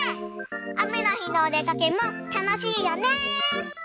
あめのひのおでかけもたのしいよね。